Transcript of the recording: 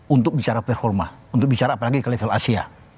untuk bicara performa untuk bicara apalagi ke level asia